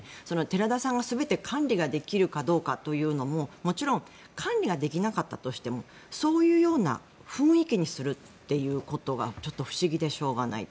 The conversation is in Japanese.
寺田さんが全て管理ができるかどうかというのももちろん管理ができなかったとしてもそういうような雰囲気にするっていうことがちょっと不思議でしょうがない。